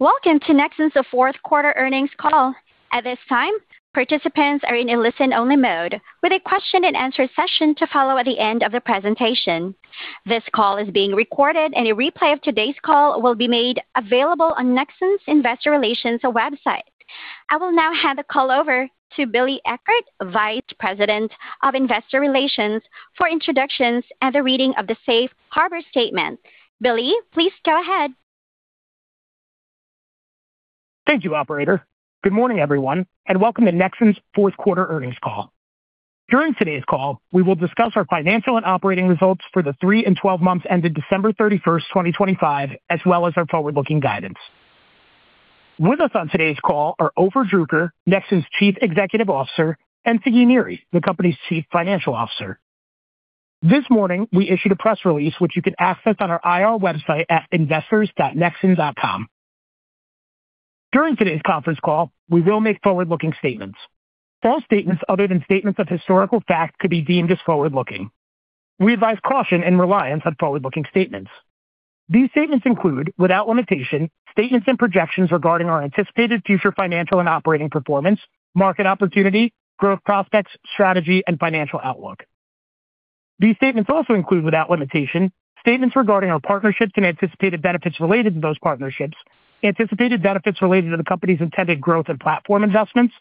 Welcome to Nexxen's Fourth Quarter Earnings Call. At this time, participants are in a listen-only mode with a question-and-answer session to follow at the end of the presentation. This call is being recorded, and a replay of today's call will be made available on Nexxen Investor Relations website. I will now hand the call over to Billy Eckert, Vice President of Investor Relations, for introductions and the reading of the safe harbor statement. Billy, please go ahead. Thank you, operator. Good morning, everyone, and welcome to Nexxen's fourth quarter earnings call. During today's call, we will discuss our financial and operating results for the three and 12 months ended December 31st, 2025, as well as our forward-looking guidance. With us on today's call are Ofer Druker, Nexxen's Chief Executive Officer, and Sagi Niri, the company's Chief Financial Officer. This morning, we issued a press release which you can access on our IR website at investors.nexxen.com. During today's conference call, we will make forward-looking statements. All statements other than statements of historical fact could be deemed as forward-looking. We advise caution and reliance on forward-looking statements. These statements include, without limitation, statements and projections regarding our anticipated future financial and operating performance, market opportunity, growth prospects, strategy and financial outlook. These statements also include, without limitation, statements regarding our partnerships and anticipated benefits related to those partnerships, anticipated benefits related to the company's intended growth and platform investments,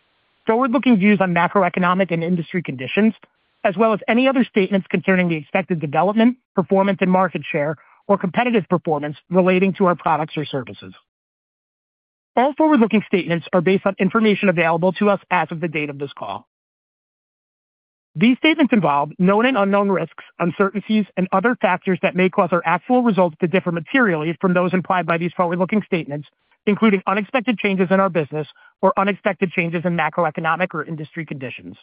forward-looking views on macroeconomic and industry conditions, as well as any other statements concerning the expected development, performance and market share or competitive performance relating to our products or services. All forward-looking statements are based on information available to us as of the date of this call. These statements involve known and unknown risks, uncertainties and other factors that may cause our actual results to differ materially from those implied by these forward-looking statements, including unexpected changes in our business or unexpected changes in macroeconomic or industry conditions.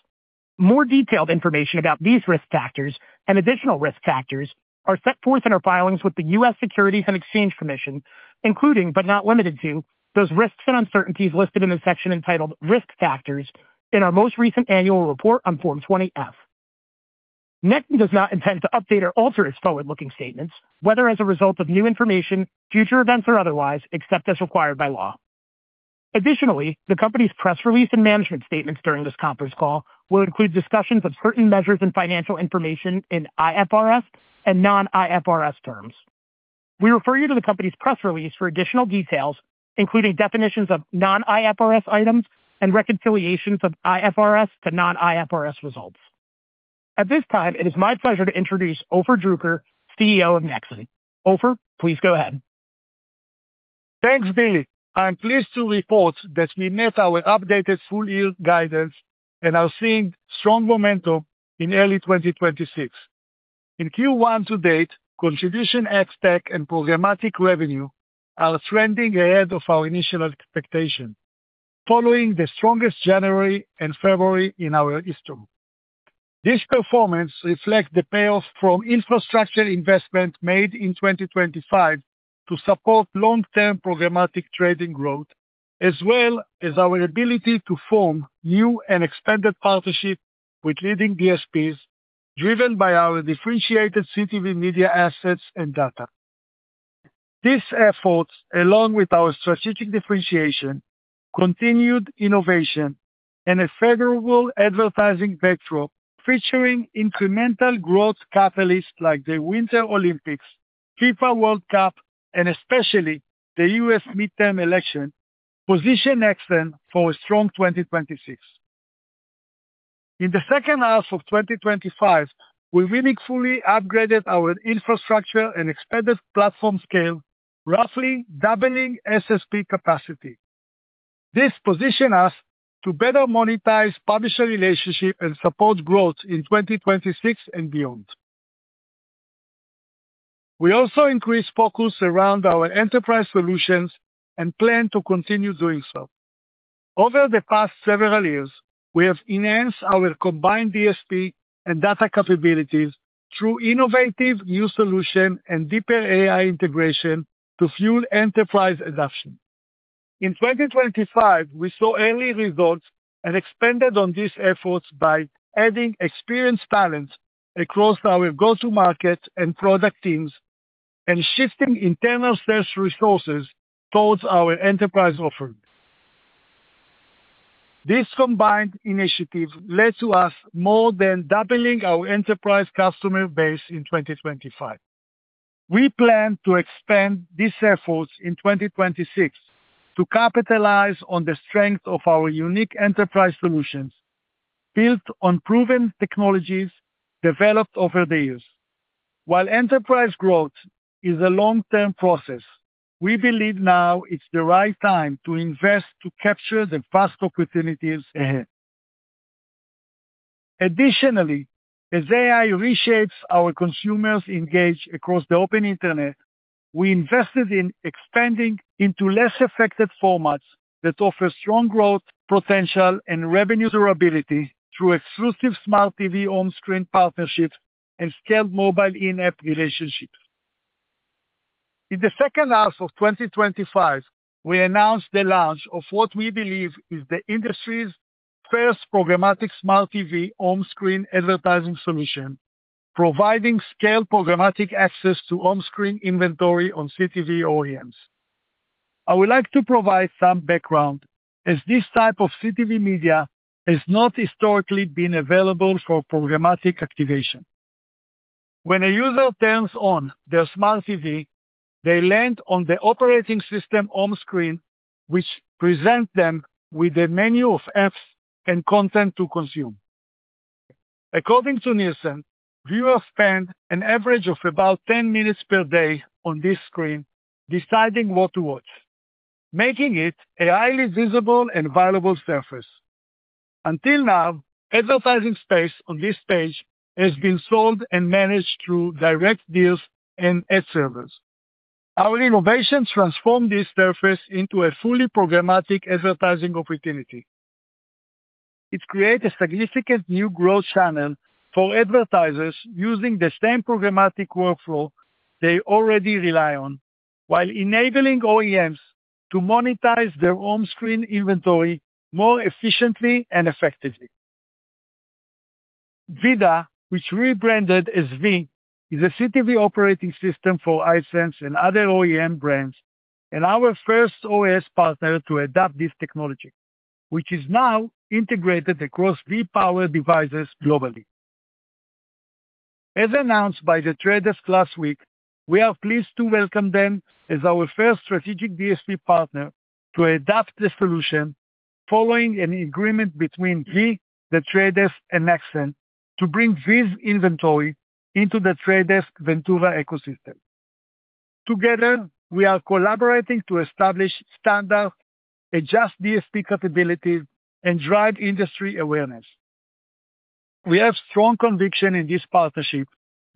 More detailed information about these risk factors and additional risk factors are set forth in our filings with the U.S. Securities and Exchange Commission, including, but not limited to, those risks and uncertainties listed in the section entitled Risk Factors in our most recent annual report on Form 20-F. Nexxen does not intend to update or alter its forward-looking statements, whether as a result of new information, future events or otherwise, except as required by law. The company's press release and management statements during this conference call will include discussions of certain measures and financial information in IFRS and non-IFRS terms. We refer you to the company's press release for additional details, including definitions of non-IFRS items and reconciliations of IFRS to non-IFRS results. At this time, it is my pleasure to introduce Ofer Druker, CEO of Nexxen. Ofer, please go ahead. Thanks, Billy. I'm pleased to report that we met our updated full-year guidance and are seeing strong momentum in early 2026. In Q1 to date, contribution ad stack and programmatic revenue are trending ahead of our initial expectation following the strongest January and February in our history. This performance reflects the payoffs from infrastructure investment made in 2025 to support long-term programmatic trading growth, as well as our ability to form new and expanded partnerships with leading DSPs driven by our differentiated CTV media assets and data. These efforts, along with our strategic differentiation, continued innovation and a favorable advertising backdrop featuring incremental growth catalysts like the Winter Olympics, FIFA World Cup, and especially the U.S. midterm election, position Nexxen for a strong 2026. In the second half of 2025, we meaningfully upgraded our infrastructure and expanded platform scale, roughly doubling SSP capacity. This position us to better monetize publisher relationship and support growth in 2026 and beyond. We also increased focus around our enterprise solutions and plan to continue doing so. Over the past several years, we have enhanced our combined DSP and data capabilities through innovative new solution and deeper AI integration to fuel enterprise adoption. In 2025, we saw early results and expanded on these efforts by adding experienced talent across our go-to market and product teams and shifting internal sales resources towards our enterprise offerings. These combined initiatives led to us more than doubling our enterprise customer base in 2025. We plan to expand these efforts in 2026 to capitalize on the strength of our unique enterprise solutions built on proven technologies developed over the years. While enterprise growth is a long-term process, we believe now is the right time to invest to capture the vast opportunities ahead. Additionally, as AI reshapes our consumers' engage across the open Internet, we invested in expanding into less affected formats that offer strong growth, potential and revenue durability through exclusive Smart TV on-screen partnerships and scaled mobile in-app relationships. In the second half of 2025, we announced the launch of what we believe is the industry's first programmatic Smart TV on-screen advertising solution. Providing scale programmatic access to home screen inventory on CTV OEMs. I would like to provide some background as this type of CTV media has not historically been available for programmatic activation. When a user turns on their Smart TV, they land on the operating system home screen, which presents them with a menu of apps and content to consume. According to Nielsen, viewers spend an average of about 10 minutes per day on this screen deciding what to watch, making it a highly visible and valuable surface. Until now, advertising space on this page has been sold and managed through direct deals and ad servers. Our innovation transformed this surface into a fully programmatic advertising opportunity. It creates a significant new growth channel for advertisers using the same programmatic workflow they already rely on while enabling OEMs to monetize their home screen inventory more efficiently and effectively. VIDAA, which rebranded as V, is a CTV operating system for Hisense and other OEM brands and our first OS partner to adapt this technology, which is now integrated across V-powered devices globally. As announced by The Trade Desk last week, we are pleased to welcome them as our first strategic DSP partner to adapt the solution following an agreement between V, The Trade Desk, and Xandr to bring V's inventory into The Trade Desk Ventura ecosystem. Together, we are collaborating to establish standards, adjust DSP capabilities, and drive industry awareness. We have strong conviction in this partnership,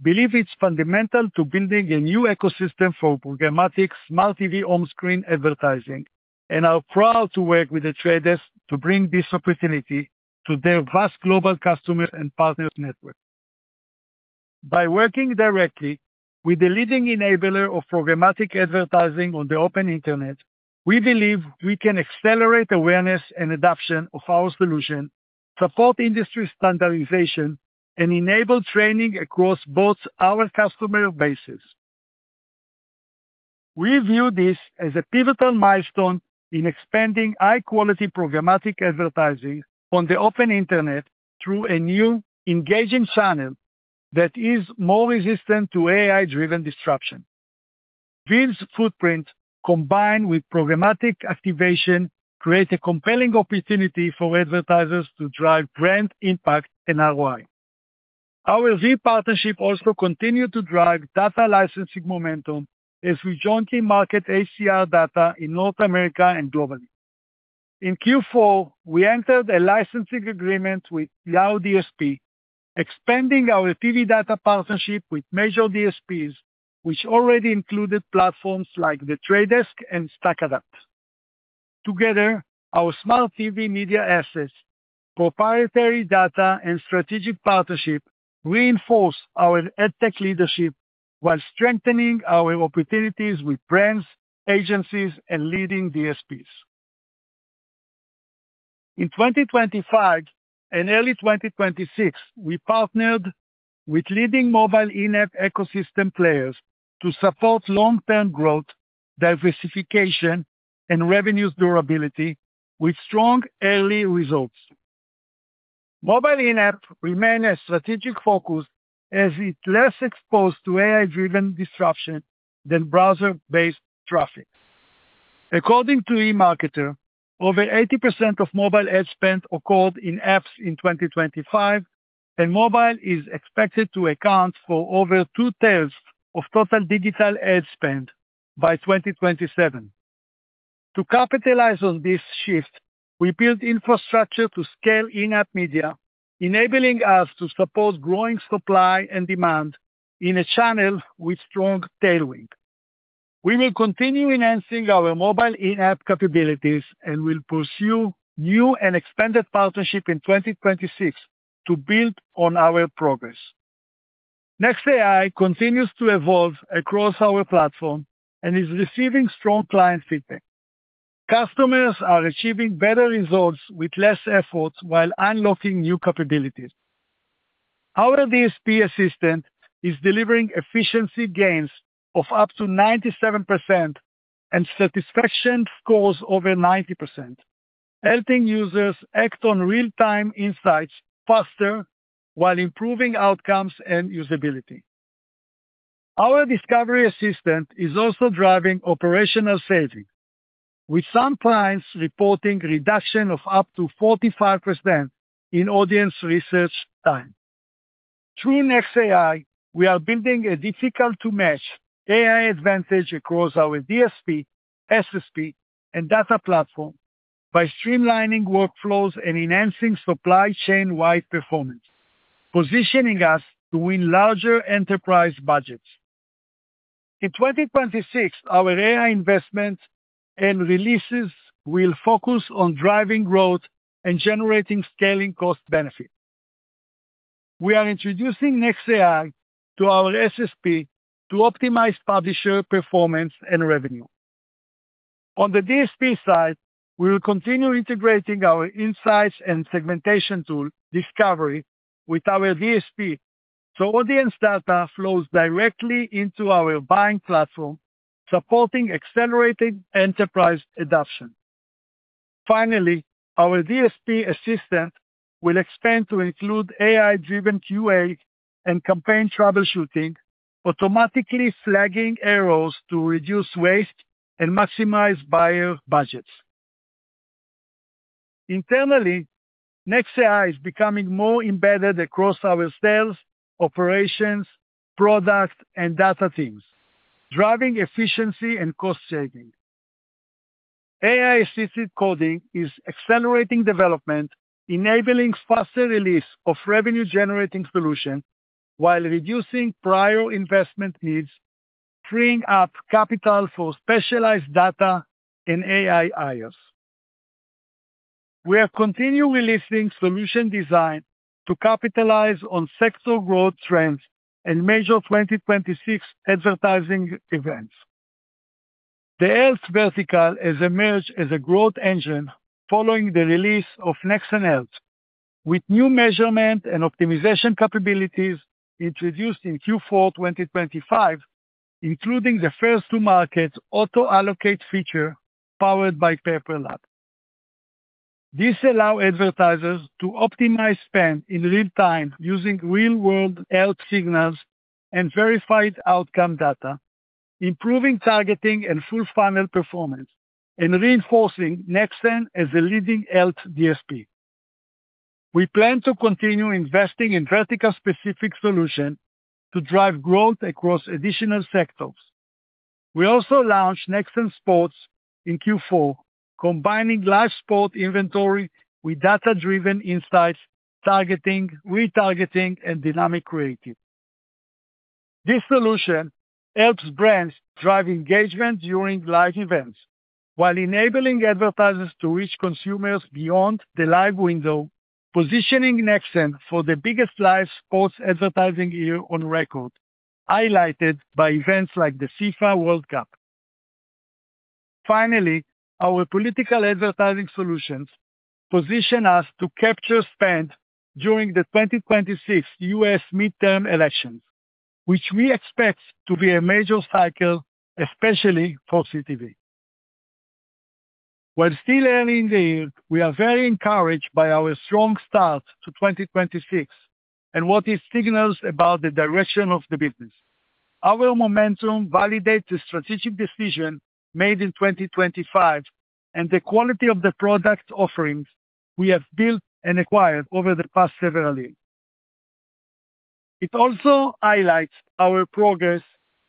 believe it's fundamental to building a new ecosystem for programmatic smart TV home screen advertising and are proud to work with The Trade Desk to bring this opportunity to their vast global customer and partners network. By working directly with the leading enabler of programmatic advertising on the open internet, we believe we can accelerate awareness and adoption of our solution, support industry standardization, and enable training across both our customer bases. We view this as a pivotal milestone in expanding high-quality programmatic advertising on the open internet through a new engaging channel that is more resistant to AI-driven disruption. V's footprint combined with programmatic activation creates a compelling opportunity for advertisers to drive brand impact and ROI. Our V partnership also continued to drive data licensing momentum as we jointly market HDR data in North America and globally. In Q4, we entered a licensing agreement with Yahoo DSP, expanding our TV data partnership with major DSPs, which already included platforms like The Trade Desk and StackAdapt. Together, our smart TV media assets, proprietary data, and strategic partnership reinforce our ad tech leadership while strengthening our opportunities with brands, agencies, and leading DSPs. In 2025 and early 2026, we partnered with leading mobile in-app ecosystem players to support long-term growth, diversification, and revenue durability with strong early results. Mobile in-app remain a strategic focus as it's less exposed to AI-driven disruption than browser-based traffic. According to eMarketer, over 80% of mobile ad spend occurred in apps in 2025, and mobile is expected to account for over two-thirds of total digital ad spend by 2027. To capitalize on this shift, we built infrastructure to scale in-app media, enabling us to support growing supply and demand in a channel with strong tailwind. We will continue enhancing our mobile in-app capabilities and will pursue new and expanded partnership in 2026 to build on our progress. nexAI continues to evolve across our platform and is receiving strong client feedback. Customers are achieving better results with less effort while unlocking new capabilities. Our DSP assistant is delivering efficiency gains of up to 97% and satisfaction scores over 90%, helping users act on real-time insights faster while improving outcomes and usability. Our discovery assistant is also driving operational savings, with some clients reporting reduction of up to 45% in audience research time. Through NexAI, we are building a difficult-to-match AI advantage across our DSP, SSP, and data platform by streamlining workflows and enhancing supply chain-wide performance, positioning us to win larger enterprise budgets. In 2026, our AI investment and releases will focus on driving growth and generating scaling cost benefit. We are introducing NexAI to our SSP to optimize publisher performance and revenue. On the DSP side, we will continue integrating our insights and segmentation tool Discovery with our DSP. Audience data flows directly into our buying platform, supporting accelerated enterprise adoption. Finally, our DSP Assistant will expand to include AI-driven QA and campaign troubleshooting, automatically flagging errors to reduce waste and maximize buyer budgets. Internally, NexAI is becoming more embedded across our sales, operations, product and data teams, driving efficiency and cost saving. AI-assisted coding is accelerating development, enabling faster release of revenue-generating solution while reducing prior investment needs, freeing up capital for specialized data and AI IOs. We are continually releasing solution design to capitalize on sector growth trends and major 2026 advertising events. The health vertical has emerged as a growth engine following the release of Nexxen Health, with new measurement and optimization capabilities introduced in Q4 2025, including the first to market Auto Allocate feature powered by PurpleLab. This allow advertisers to optimize spend in real time using real world health signals and verified outcome data, improving targeting and full funnel performance, and reinforcing Nexxen as a leading health DSP. We plan to continue investing in vertical specific solution to drive growth across additional sectors. We also launched Nexxen Sports in Q4, combining live sport inventory with data driven insights, targeting, retargeting, and dynamic creative. This solution helps brands drive engagement during live events while enabling advertisers to reach consumers beyond the live window, positioning Nexxen for the biggest live sports advertising year on record, highlighted by events like the FIFA World Cup. Finally, our political advertising solutions position us to capture spend during the 2026 U.S. Midterm elections, which we expect to be a major cycle, especially for CTV. While still early in the year, we are very encouraged by our strong start to 2026 and what it signals about the direction of the business. Our momentum validates the strategic decision made in 2025 and the quality of the product offerings we have built and acquired over the past several years. It also highlights our progress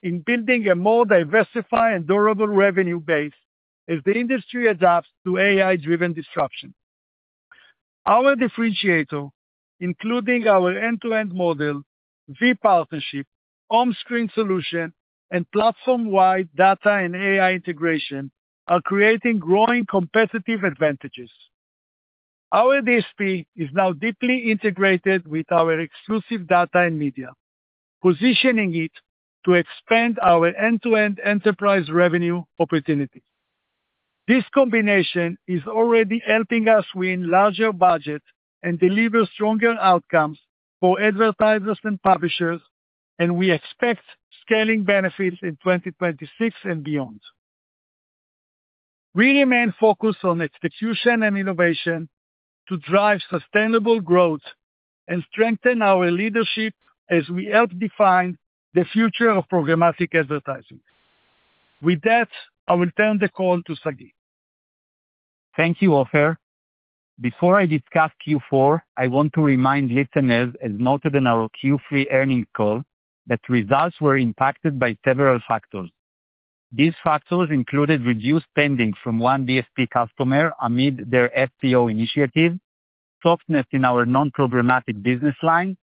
in building a more diversified and durable revenue base as the industry adapts to AI-driven disruption. Our differentiator, including our end-to-end model, V partnership, on-screen solution, and platform-wide data and AI integration are creating growing competitive advantages. Our DSP is now deeply integrated with our exclusive data and media, positioning it to expand our end-to-end enterprise revenue opportunity. We expect scaling benefits in 2026 and beyond. We remain focused on execution and innovation to drive sustainable growth and strengthen our leadership as we help define the future of programmatic advertising. With that, I will turn the call to Sagi. Thank you, Ofer. Before I discuss Q4, I want to remind listeners, as noted in our Q3 earnings call, that results were impacted by several factors. These factors included reduced spending from one DSP customer amid their FPO initiative, softness in our non-programmatic business line,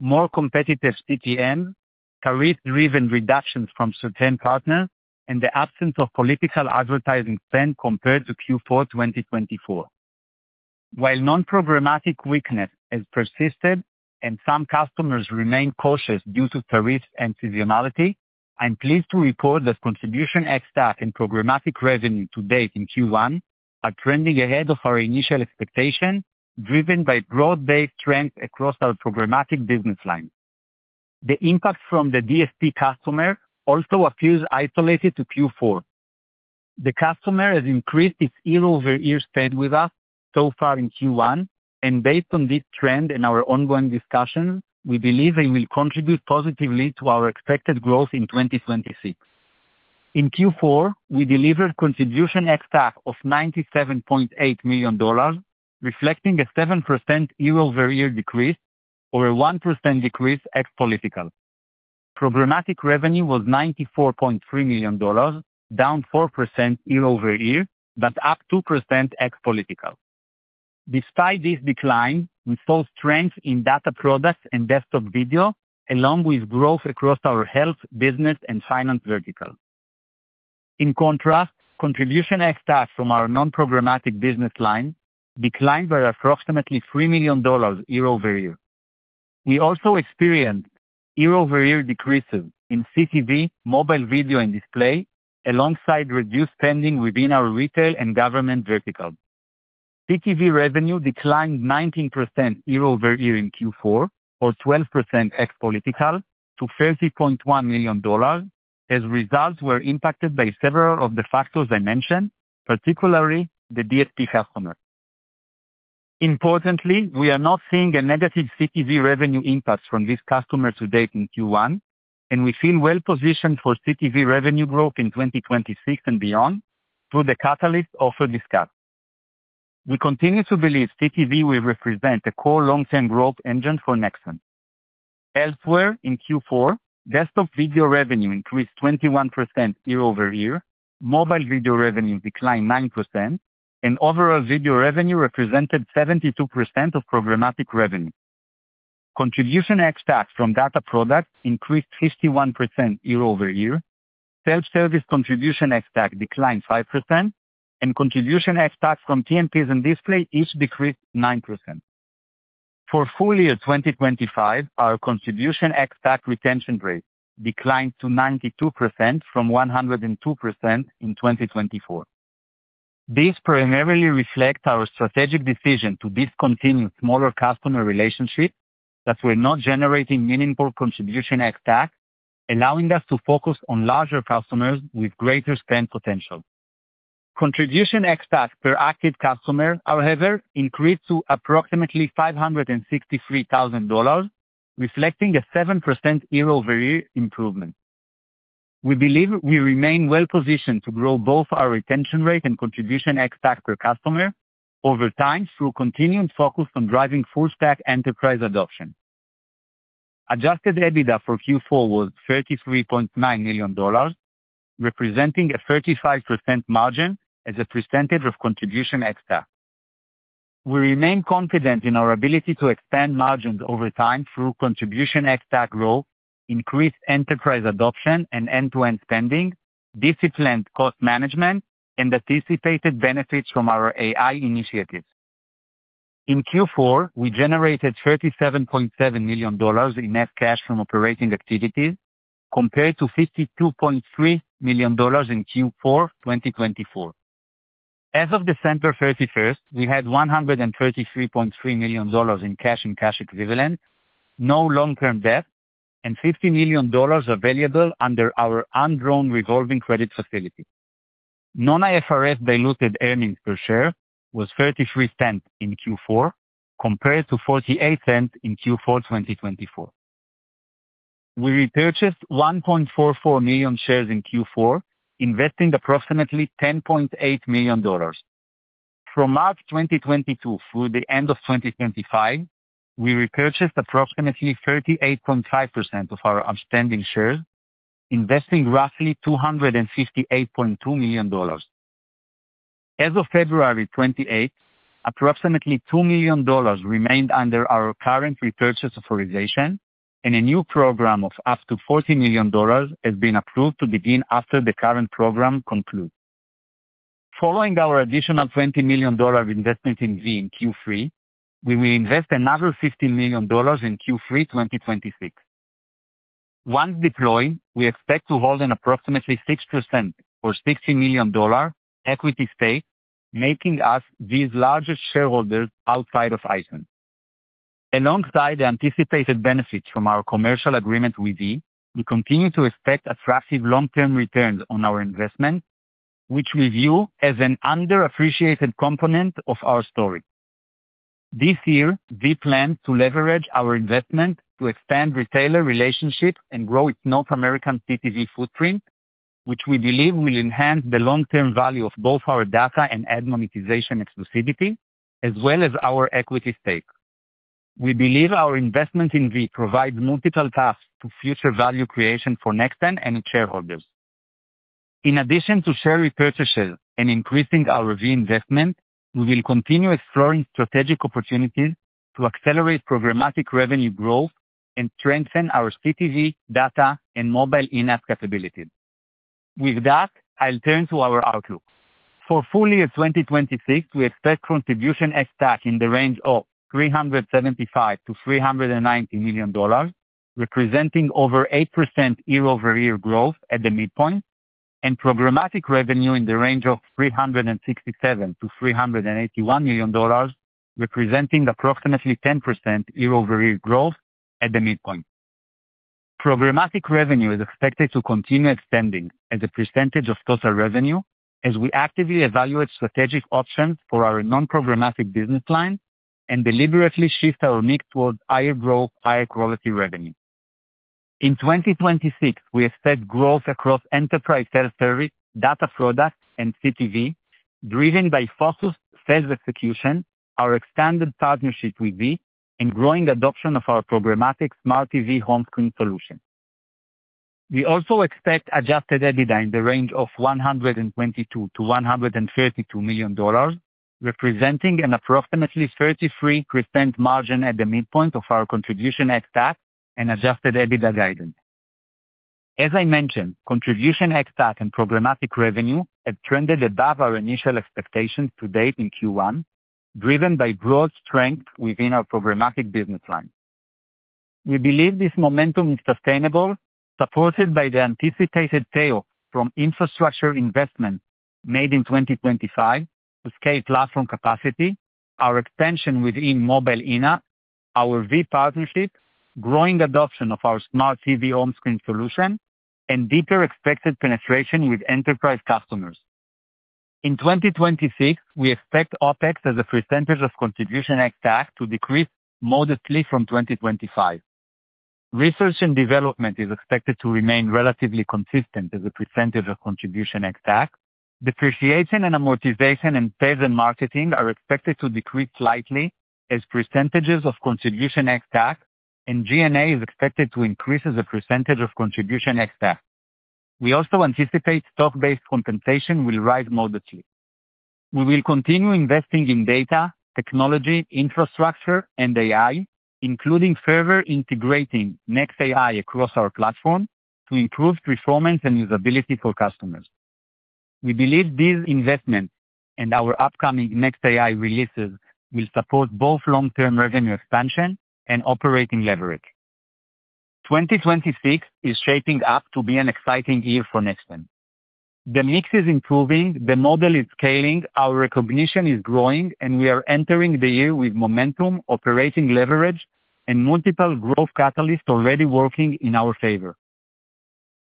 more competitive CPM, tariff-driven reductions from certain partners, and the absence of political advertising spend compared to Q4, 2024. While non-programmatic weakness has persisted and some customers remain cautious due to tariffs and seasonality, I'm pleased to report that Contribution ex-TAC in programmatic revenue to date in Q1 are trending ahead of our initial expectation, driven by broad-based trends across our programmatic business line. The impact from the DSP customer also appears isolated to Q4. The customer has increased its year-over-year spend with us so far in Q1. Based on this trend and our ongoing discussion, we believe they will contribute positively to our expected growth in 2026. In Q4, we delivered Contribution ex-TAC of $97.8 million, reflecting a 7% year-over-year decrease or a 1% decrease ex political. Programmatic revenue was $94.3 million, down 4% year-over-year but up 2% ex-political. Despite this decline, we saw strength in data products and desktop video along with growth across our health, business, and finance vertical. In contrast, Contribution ex-TAC from our non-programmatic business line declined by approximately $3 million year-over-year. We also experienced year-over-year decreases in CTV, mobile video and display alongside reduced spending within our retail and government vertical. CTV revenue declined 19% year-over-year in Q4 or 12% ex-political to $30.1 million as results were impacted by several of the factors I mentioned, particularly the DSP customer. Importantly, we are not seeing a negative CTV revenue impact from this customer to date in Q1, and we feel well positioned for CTV revenue growth in 2026 and beyond through the catalyst also discussed. We continue to believe CTV will represent a core long-term growth engine for Nexxen. Elsewhere in Q4, desktop video revenue increased 21% year-over-year. Mobile video revenue declined 9% and overall video revenue represented 72% of programmatic revenue. Contribution ex-TAC from data products increased 51% year-over-year. Self-service contribution ex-TAC declined 5% and contribution ex-TAC from TNPs and display each decreased 9%. For full year 2025, our contribution ex-TAC retention rate declined to 92% from 102% in 2024. This primarily reflects our strategic decision to discontinue smaller customer relationships that were not generating meaningful contribution ex-TAC, allowing us to focus on larger customers with greater spend potential. Contribution ex-TAC per active customer, however, increased to approximately $563,000, reflecting a 7% year-over-year improvement. We believe we remain well positioned to grow both our retention rate and contribution ex-TAC per customer over time through continued focus on driving full stack enterprise adoption. Adjusted EBITDA for Q4 was $33.9 million, representing a 35% margin as a percentage of contribution ex-TAC. We remain confident in our ability to expand margins over time through Contribution ex-TAC growth, increased enterprise adoption and end-to-end spending, disciplined cost management and anticipated benefits from our AI initiatives. In Q4, we generated $37.7 million in net cash from operating activities compared to $52.3 million in Q4, 2024. As of December 31st, we had $133.3 million in cash and cash equivalent, no long-term debt, and $50 million available under our undrawn revolving credit facility. Non-IFRS diluted earnings per share was $0.33 in Q4 compared to $0.48 in Q4, 2024. We repurchased 1.44 million shares in Q4, investing approximately $10.8 million. From March 2022 through the end of 2025, we repurchased approximately 38.5% of our outstanding shares, investing roughly $258.2 million. As of February 28, approximately $2 million remained under our current repurchase authorization and a new program of up to $40 million has been approved to begin after the current program concludes. Following our additional $20 million investment in V in Q3, we will invest another $50 million in Q3 2026. Once deployed, we expect to hold an approximately 6% or $60 million equity stake, making us these largest shareholders outside of Hisense. Alongside the anticipated benefits from our commercial agreement with V, we continue to expect attractive long-term returns on our investment, which we view as an underappreciated component of our story. This year, V plans to leverage our investment to expand retailer relationships and grow its North American CTV footprint, which we believe will enhance the long-term value of both our data and ad monetization exclusivity as well as our equity stake. We believe our investment in V provides multiple paths to future value creation for Nexxen and shareholders. In addition to share repurchases and increasing our V investment, we will continue exploring strategic opportunities to accelerate programmatic revenue growth and strengthen our CTV data and mobile in-app capabilities. With that, I'll turn to our outlook. For full year 2026, we expect contribution ex-TAC in the range of $375 million-$390 million, representing over 8% year-over-year growth at the midpoint and programmatic revenue in the range of $367 million-$381 million, representing approximately 10% year-over-year growth at the midpoint. Programmatic revenue is expected to continue extending as a percentage of total revenue as we actively evaluate strategic options for our non-programmatic business lines and deliberately shift our mix towards higher growth, higher quality revenue. In 2026, we expect growth across enterprise self-service, data products and CTV, driven by focused sales execution, our expanded partnership with V and growing adoption of our programmatic smart TV home screen solution. We also expect Adjusted EBITDA in the range of $122 million-$132 million, representing an approximately 33% margin at the midpoint of our Contribution ex-TAC and Adjusted EBITDA guidance. As I mentioned, Contribution ex-TAC and programmatic revenue have trended above our initial expectations to date in Q1, driven by broad strength within our programmatic business line. We believe this momentum is sustainable, supported by the anticipated tail from infrastructure investment made in 2025 to scale platform capacity, our expansion within mobile ENA, our V partnership, growing adoption of our Smart TV home screen solution, and deeper expected penetration with enterprise customers. In 2026, we expect OpEx as a percentage of Contribution ex-TAC to decrease modestly from 2025. Research and development is expected to remain relatively consistent as a percentage of Contribution ex-TAC. Depreciation and amortization and sales and marketing are expected to decrease slightly as % of contribution HTAC, and G&A is expected to increase as a % of contribution HTAC. We also anticipate stock-based compensation will rise modestly. We will continue investing in data, technology, infrastructure and AI, including further integrating NexAI across our platform to improve performance and usability for customers. We believe these investments and our upcoming NexAI releases will support both long-term revenue expansion and operating leverage. 2026 is shaping up to be an exciting year for Nexxen. The mix is improving, the model is scaling, our recognition is growing, and we are entering the year with momentum, operating leverage and multiple growth catalysts already working in our favor.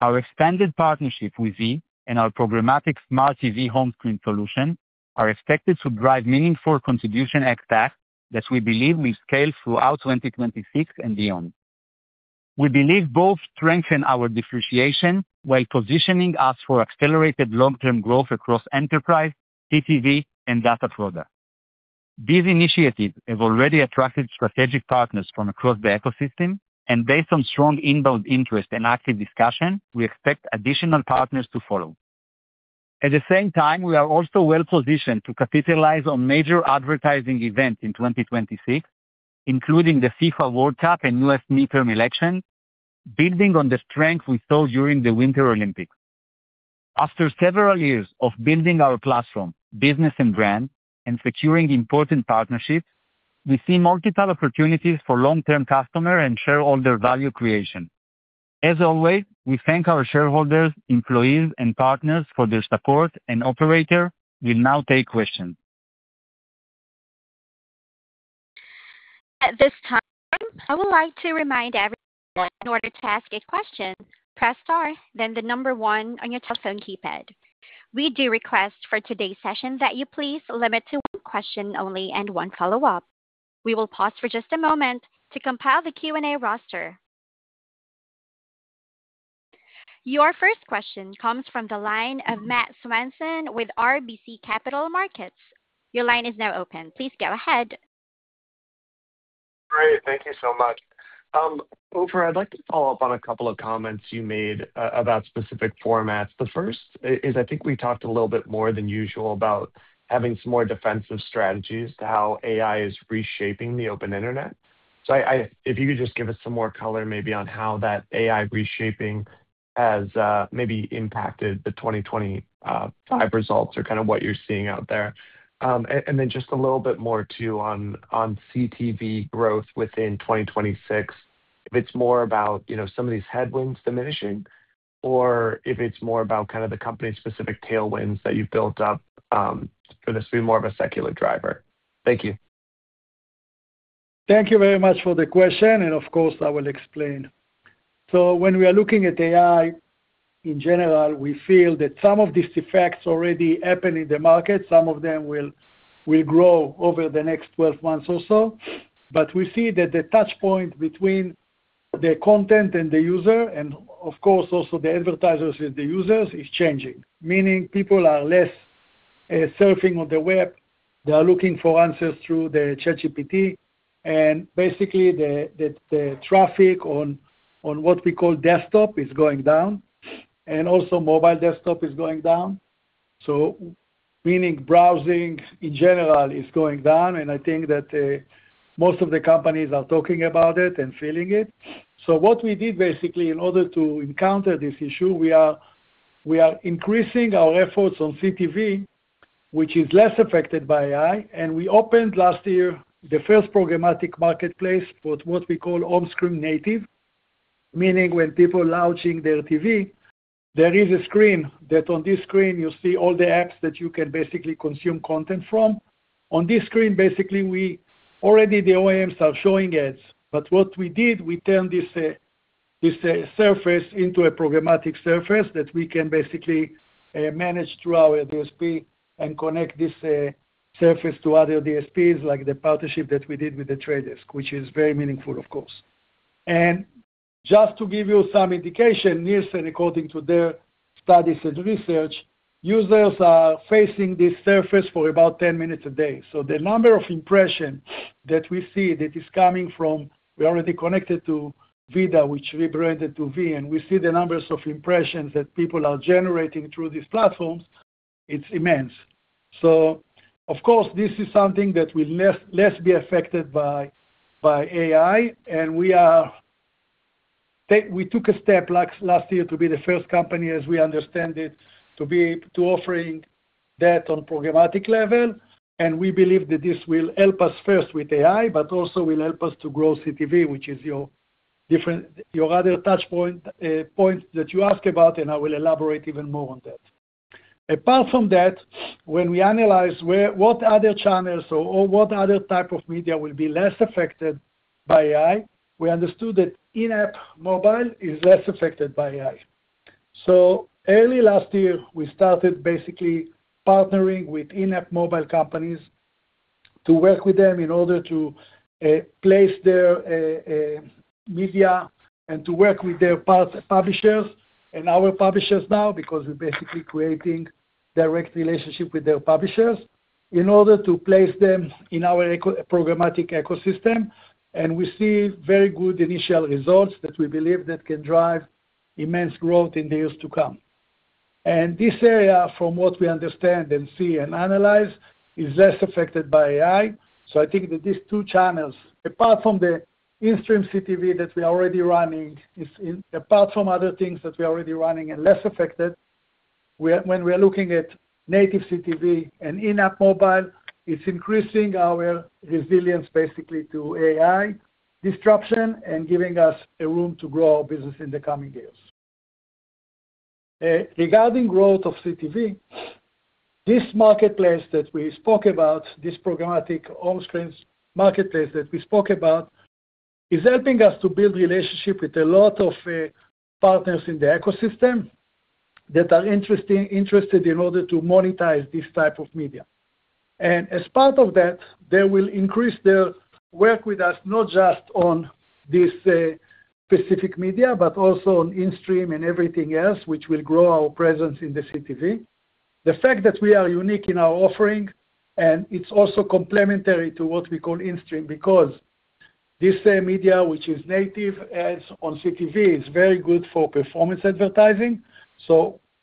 Our expanded partnership with V and our programmatic Smart TV home screen solution are expected to drive meaningful contribution HTAC that we believe will scale throughout 2026 and beyond. We believe both strengthen our differentiation while positioning us for accelerated long-term growth across enterprise, CTV and data products. Based on strong inbound interest and active discussion, we expect additional partners to follow. At the same time, we are also well positioned to capitalize on major advertising events in 2026, including the FIFA World Cup and U.S. midterm election, building on the strength we saw during the Winter Olympics. After several years of building our platform, business and brand and securing important partnerships, we see multiple opportunities for long-term customer and shareholder value creation. As always, we thank our shareholders, employees, and partners for their support and operator. We'll now take questions. At this time, I would like to remind everyone that in order to ask a question, press star, then the number one on your telephone keypad. We do request for today's session that you please limit to one question only and one follow-up. We will pause for just a moment to compile the Q&A roster. Your first question comes from the line of Matthew Swanson with RBC Capital Markets. Your line is now open. Please go ahead. Great. Thank you so much. Ofer, I'd like to follow up on a couple of comments you made about specific formats. The first is, I think we talked a little bit more than usual about having some more defensive strategies to how AI is reshaping the open internet. If you could just give us some more color maybe on how that AI reshaping has maybe impacted the 2025 results or kind of what you're seeing out there. And then just a little bit more too on CTV growth within 2026, if it's more about, you know, some of these headwinds diminishing or if it's more about kind of the company-specific tailwinds that you've built up for this to be more of a secular driver. Thank you. Thank you very much for the question. Of course, I will explain. When we are looking at AI in general, we feel that some of these effects already happen in the market. Some of them will grow over the next 12 months or so. We see that the touch point between the content and the user, and of course, also the advertisers with the users, is changing. Meaning people are less surfing on the web. They are looking for answers through the ChatGPT. Basically, the traffic on what we call desktop is going down, and also mobile desktop is going down. Meaning browsing in general is going down, and I think that most of the companies are talking about it and feeling it. What we did basically in order to encounter this issue, we are increasing our efforts on CTV, which is less affected by AI. We opened last year the first programmatic marketplace for what we call on-screen native. Meaning when people are launching their TV, there is a screen that on this screen you see all the apps that you can basically consume content from. On this screen, basically, already the OEMs are showing ads, but what we did, we turned this surface into a programmatic surface that we can basically manage through our DSP and connect this surface to other DSPs, like the partnership that we did with The Trade Desk, which is very meaningful, of course. Just to give you some indication, Nielsen, according to their studies and research, users are facing this surface for about 10 minutes a day. The number of impressions that we see that is coming from, we already connected to VIDAA, which rebranded to V, and we see the numbers of impressions that people are generating through these platforms, it's immense. Of course, this is something that will less be affected by AI. We took a step like last year to be the first company as we understand it, to offering that on programmatic level. We believe that this will help us first with AI, but also will help us to grow CTV, which is your other touch point that you ask about, and I will elaborate even more on that. Apart from that, when we analyze what other channels or what other type of media will be less affected by AI, we understood that in-app mobile is less affected by AI. Early last year, we started basically partnering with in-app mobile companies to work with them in order to place their media and to work with their part publishers and our publishers now, because we're basically creating direct relationship with their publishers, in order to place them in our programmatic ecosystem. We see very good initial results that we believe that can drive immense growth in the years to come. This area, from what we understand and see and analyze, is less affected by AI. I think that these two channels, apart from the in-stream CTV that we're already running, apart from other things that we're already running and less affected, when we are looking at native CTV and in-app mobile, it's increasing our resilience basically to AI disruption and giving us a room to grow our business in the coming years. Regarding growth of CTV, this marketplace that we spoke about, this programmatic on-screens marketplace that we spoke about, is helping us to build relationship with a lot of partners in the ecosystem that are interested in order to monetize this type of media. As part of that, they will increase their work with us not just on this specific media, but also on in-stream and everything else, which will grow our presence in the CTV. The fact that we are unique in our offering, and it's also complementary to what we call in-stream because this, media, which is native ads on CTV, is very good for performance advertising.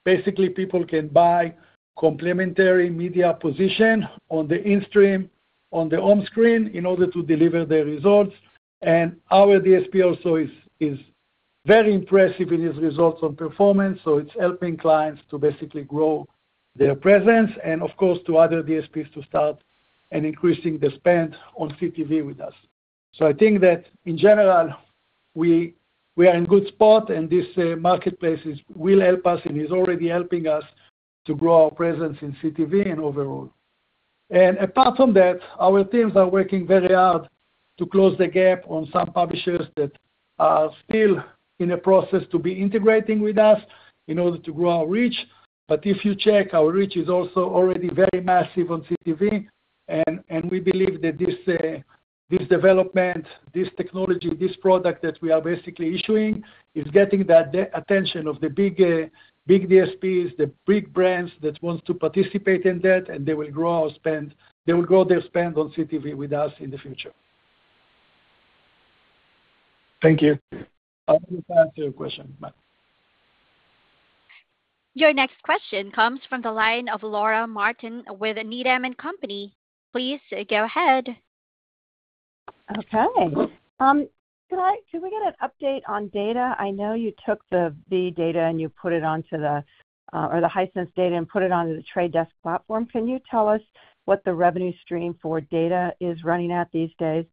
Basically people can buy complementary media position on the in-stream, on the on-screen in order to deliver the results. Our DSP also is very impressive in its results on performance, so it's helping clients to basically grow their presence and of course, to other DSPs to start and increasing the spend on CTV with us. I think that in general, we are in good spot and this, marketplace will help us and is already helping us to grow our presence in CTV and overall. Apart from that, our teams are working very hard to close the gap on some publishers that are still in a process to be integrating with us in order to grow our reach. If you check, our reach is also already very massive on CTV and we believe that this development, this technology, this product that we are basically issuing is getting the attention of the big DSPs, the big brands that wants to participate in that, and they will grow their spend on CTV with us in the future. Thank you. I hope I answered your question. Bye. Your next question comes from the line of Laura Martin with Needham & Company. Please go ahead. Okay. Could we get an update on data? I know you took the data, or the Hisense data, and put it onto The Trade Desk platform. Can you tell us what the revenue stream for data is running at these days?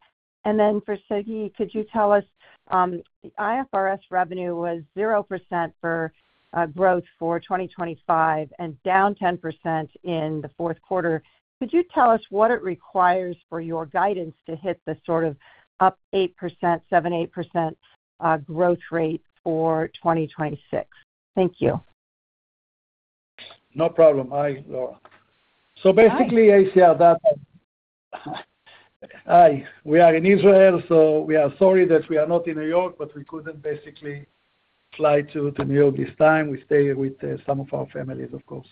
For Sagi, could you tell us, the IFRS revenue was 0% for growth for 2025 and down 10% in the fourth quarter. Could you tell us what it requires for your guidance to hit the sort of up 7%-8% growth rate for 2026? Thank you. No problem. Hi, Laura. Hi. Basically, ACR data. Hi. We are in Israel, so we are sorry that we are not in New York, but we couldn't basically fly to New York this time. We stay with some of our families, of course.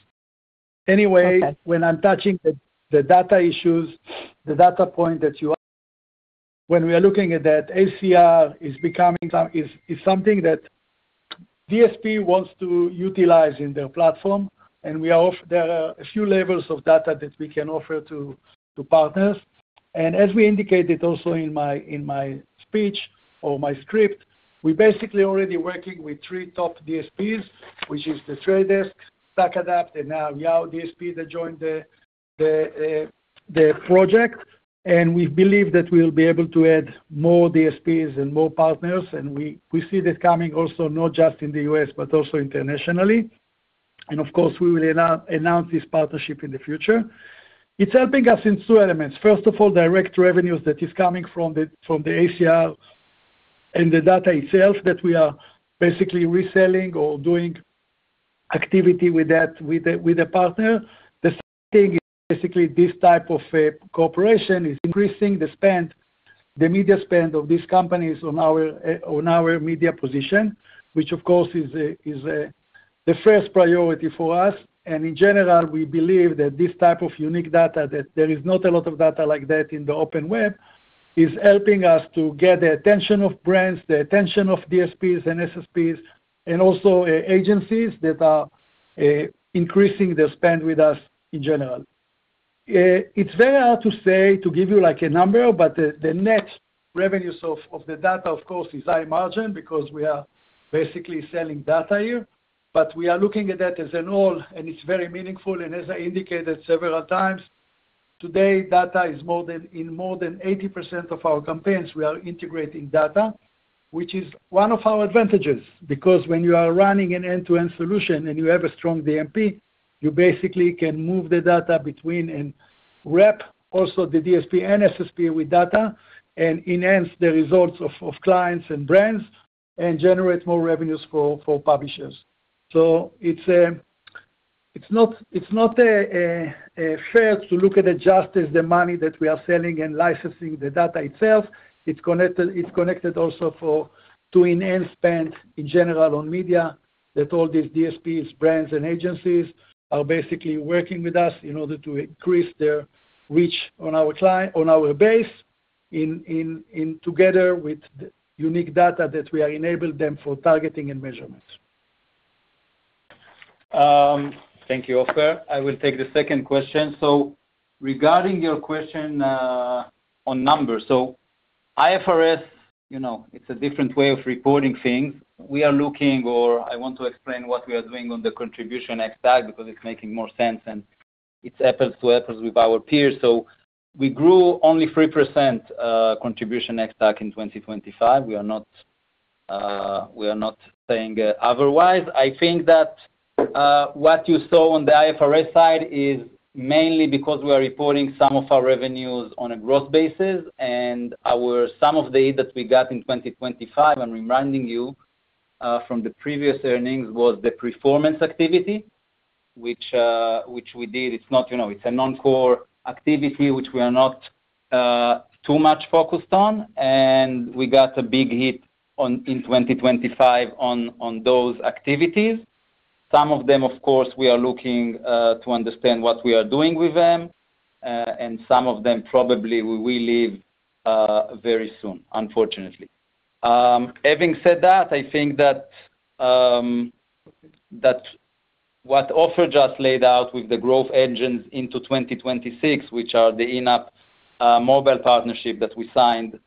Okay. When I'm touching the data issues, the data point that we are looking at that, ACR is becoming something that DSP wants to utilize in their platform. There are a few levels of data that we can offer to partners. As we indicated also in my speech or my script, we basically already working with three top DSPs, which is The Trade Desk, StackAdapt, and now Yahoo DSP that joined the project. We believe that we'll be able to add more DSPs and more partners. We see that coming also not just in the U.S., but also internationally. Of course, we will announce this partnership in the future. It's helping us in two elements. First of all, direct revenues that is coming from the ACR and the data itself that we are basically reselling or doing activity with that, with the partner. The second thing is basically this type of cooperation is increasing the spend, the media spend of these companies on our media position, which of course is the first priority for us. In general, we believe that this type of unique data, that there is not a lot of data like that in the open web, is helping us to get the attention of brands, the attention of DSPs and SSPs, and also agencies that are increasing their spend with us in general. It's very hard to say to give you like a number, but the Nexxen revenues of the data, of course, is high margin because we are basically selling data here. We are looking at that as an all, and it's very meaningful. As I indicated several times, today, data is in more than 80% of our campaigns we are integrating data, which is one of our advantages. When you are running an end-to-end solution and you have a strong DMP, you basically can move the data between and wrap also the DSP and SSP with data and enhance the results of clients and brands and generate more revenues for publishers. It's not a fair to look at it just as the money that we are selling and licensing the data itself. It's connected, it's connected also to enhance spend in general on media that all these DSPs, brands, and agencies are basically working with us in order to increase their reach on our base in together with the unique data that we are enabled them for targeting and measurements. Thank you, Ofer. I will take the second question. Regarding your question on numbers. IFRS, you know, it's a different way of reporting things. We are looking or I want to explain what we are doing on the Contribution ex-TAC because it's making more sense, and it apples to apples with our peers. We grew only 3%, Contribution ex-TAC in 2025. We are not saying otherwise. I think that what you saw on the IFRS side is mainly because we are reporting some of our revenues on a growth basis, and our sum of the aid that we got in 2025, I'm reminding you from the previous earnings, was the performance activity, which we did. It's not, you know, it's a non-core activity, which we are not too much focused on. We got a big hit in 2025 on those activities. Some of them, of course, we are looking to understand what we are doing with them. Some of them probably we will leave very soon, unfortunately. Having said that, I think that what Ofer just laid out with the growth engines into 2026, which are the in-app mobile partnership that we signed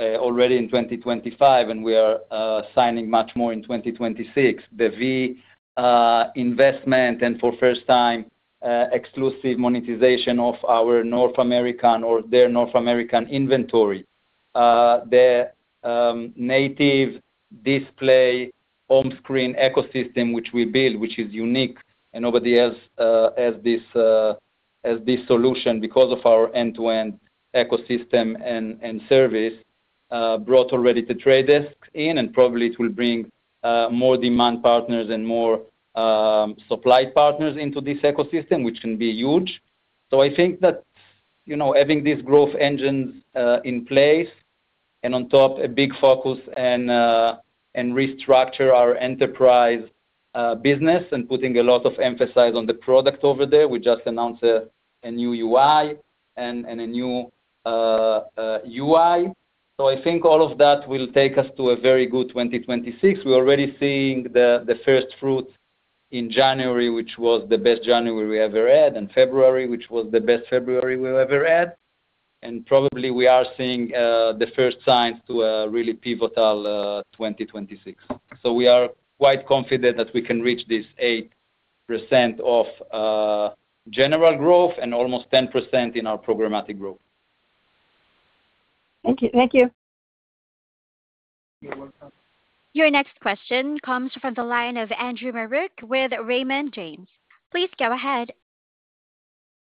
already in 2025. We are signing much more in 2026. The V investment for first time exclusive monetization of our North American or their North American inventory. The native display on-screen ecosystem which we build, which is unique and nobody else has this solution because of our end-to-end ecosystem and service, brought already The Trade Desk in, and probably it will bring more demand partners and more supply partners into this ecosystem, which can be huge. I think that, you know, having these growth engines in place and on top a big focus and restructure our enterprise business and putting a lot of emphasis on the product over there. We just announced a new UI and a new UI. I think all of that will take us to a very good 2026. We're already seeing the first fruit in January, which was the best January we ever had, and February, which was the best February we ever had. Probably we are seeing the first signs to a really pivotal 2026. We are quite confident that we can reach this 8% of general growth and almost 10% in our programmatic growth. Thank you. Thank you. You're welcome. Your next question comes from the line of Andrew Marok with Raymond James. Please go ahead.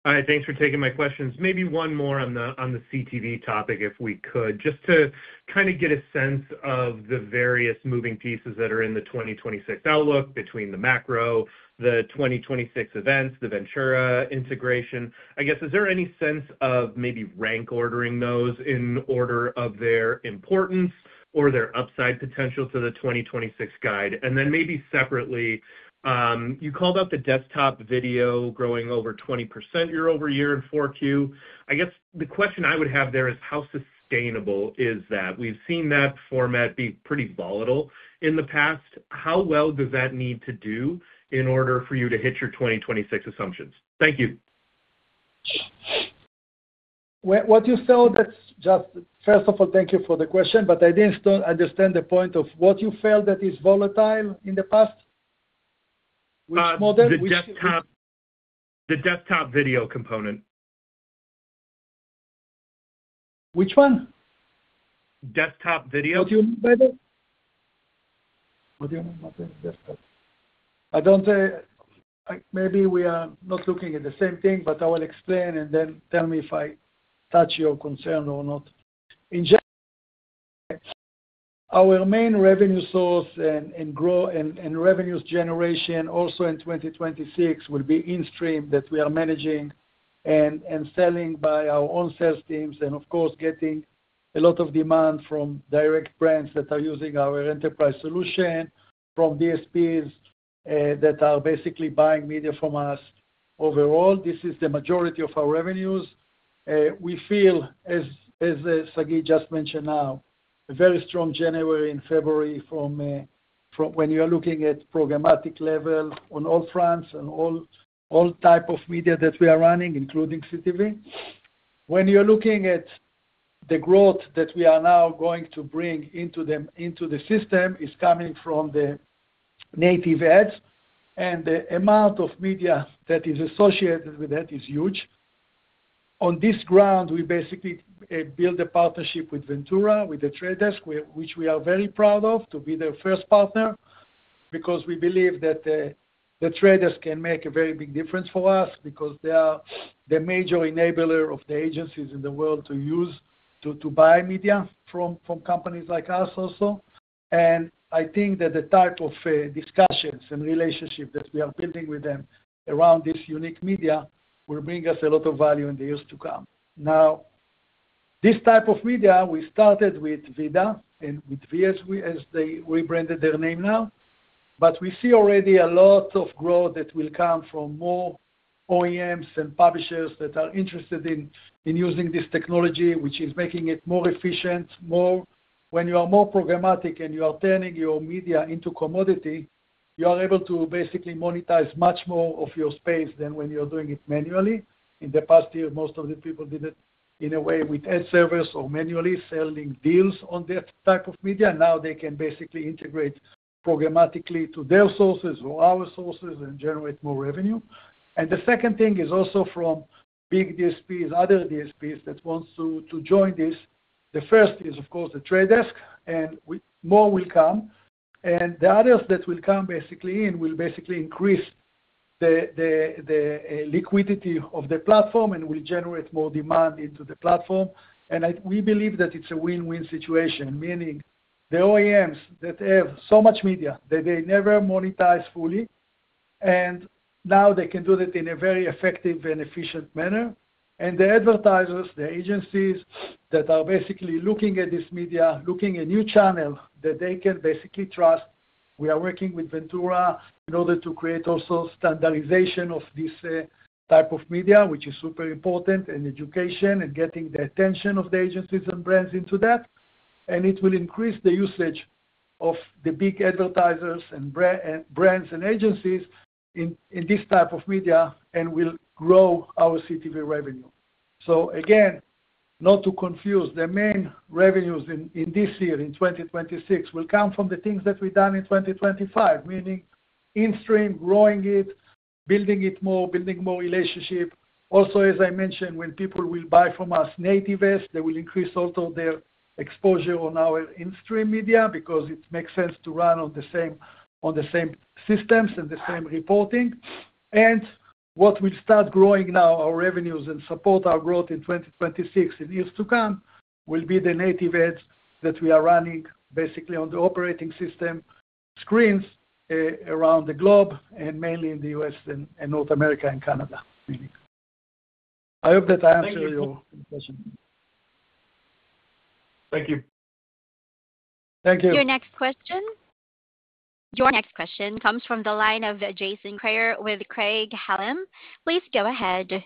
Hi. Thanks for taking my questions. Maybe one more on the CTV topic, if we could, just to kind of get a sense of the various moving pieces that are in the 2026 outlook between the macro, the 2026 events, the Ventura integration. I guess, is there any sense of maybe rank ordering those in order of their importance or their upside potential to the 2026 guide? Then maybe separately, you called out the desktop video growing over 20% year-over-year in 4Q. I guess the question I would have there is how sustainable is that? We've seen that format be pretty volatile in the past. How well does that need to do in order for you to hit your 2026 assumptions? Thank you. What you saw. First of all, thank you for the question. I didn't understand the point of what you felt that is volatile in the past. Which model? The desktop video component. Which one? Desktop video. What do you mean by that? What do you mean by the desktop? I don't. Maybe we are not looking at the same thing. I will explain and then tell me if I touch your concern or not. In general, our main revenue source and revenues generation also in 2026 will be in-stream that we are managing and selling by our own sales teams. Of course, getting a lot of demand from direct brands that are using our enterprise solution, from DSPs that are basically buying media from us. Overall, this is the majority of our revenues. We feel as Sagi just mentioned now, a very strong January and February from when you are looking at programmatic level on all fronts and all type of media that we are running, including CTV. When you're looking at the growth that we are now going to bring into them, into the system, is coming from the native ads. The amount of media that is associated with that is huge. On this ground, we basically build a partnership with Ventura, with The Trade Desk, which we are very proud of to be their first partner, because we believe that the traders can make a very big difference for us because they are the major enabler of the agencies in the world to use to buy media from companies like us also. I think that the type of discussions and relationship that we are building with them around this unique media will bring us a lot of value in the years to come. This type of media we started with VIDAA and with V, we as they rebranded their name now. We see already a lot of growth that will come from more OEMs and publishers that are interested in using this technology, which is making it more efficient, more. When you are more programmatic and you are turning your media into commodity, you are able to basically monetize much more of your space than when you're doing it manually. In the past year, most of the people did it in a way with ad servers or manually selling deals on that type of media. They can basically integrate programmatically to their sources or our sources and generate more revenue. The second thing is also from big DSPs, other DSPs that wants to join this. The first is, of course, The Trade Desk. More will come. The others that will come basically in will basically increase the liquidity of the platform and will generate more demand into the platform. We believe that it's a win-win situation, meaning the OEMs that have so much media that they never monetize fully, and now they can do that in a very effective and efficient manner. The advertisers, the agencies that are basically looking at this media, looking a new channel that they can basically trust. We are working with Ventura in order to create also standardization of this type of media, which is super important, and education and getting the attention of the agencies and brands into that. It will increase the usage of the big advertisers and brands and agencies in this type of media and will grow our CTV revenue. Again, not to confuse, the main revenues in this year, in 2026, will come from the things that we've done in 2025. Meaning in-stream, growing it, building it more, building more relationship. Also, as I mentioned, when people will buy from us native ads, they will increase also their exposure on our in-stream media because it makes sense to run on the same systems and the same reporting. What will start growing now, our revenues and support our growth in 2026 and years to come, will be the native ads that we are running basically on the operating system screens around the globe and mainly in the U.S. and North America and Canada. I hope that I answered your question. Thank you. Thank you. Your next question comes from the line of Jason Kreyer with Craig-Hallum. Please go ahead.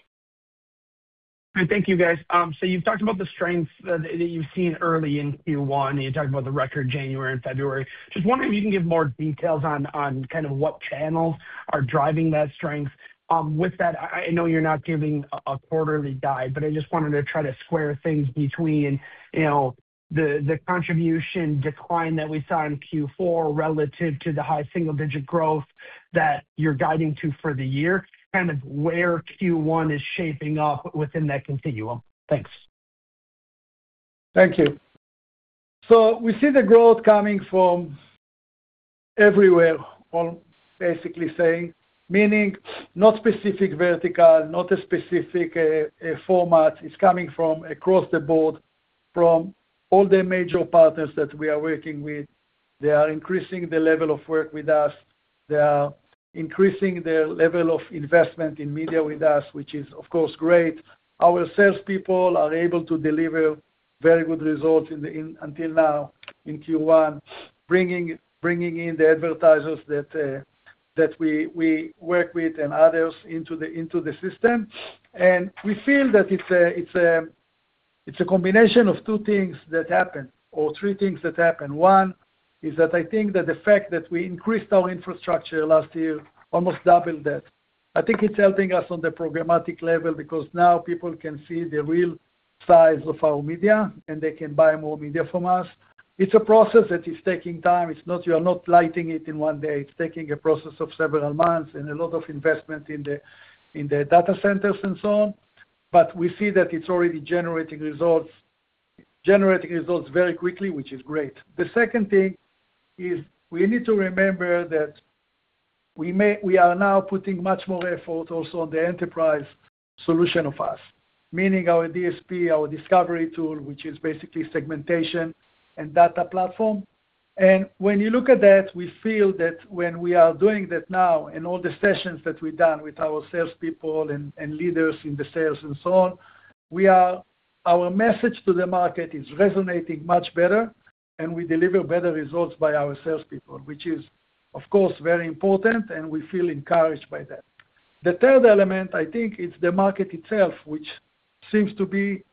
Thank you, guys. You've talked about the strength that you've seen early in Q1, and you talked about the record January and February. Just wondering if you can give more details on kind of what channels are driving that strength. With that, I know you're not giving a quarterly guide, but I just wanted to try to square things between, you know, the contribution decline that we saw in Q4 relative to the high single-digit growth that you're guiding to for the year, kind of where Q1 is shaping up within that continuum. Thanks. Thank you. We see the growth coming from everywhere on basically saying, meaning not specific vertical, not a specific format. It's coming from across the board from all the major partners that we are working with. They are increasing the level of work with us. They are increasing their level of investment in media with us, which is of course great. Our salespeople are able to deliver very good results in until now in Q1, bringing in the advertisers that we work with and others into the system. We feel that it's a combination of two things that happen or three things that happen. One is that I think that the fact that we increased our infrastructure last year, almost doubled that. I think it's helping us on the programmatic level because now people can see the real size of our media, and they can buy more media from us. It's a process that is taking time. You are not lighting it in one day. It's taking a process of several months and a lot of investment in the data centers and so on. We see that it's already generating results very quickly, which is great. The second thing is we need to remember that we are now putting much more effort also on the enterprise solution of us. Meaning our DSP, our Discovery tool, which is basically segmentation and data platform. When you look at that, we feel that when we are doing that now and all the sessions that we've done with our salespeople and leaders in the sales and so on, our message to the market is resonating much better. We deliver better results by our salespeople, which is of course, very important, and we feel encouraged by that. The third element, I think, is the market itself, which seems to be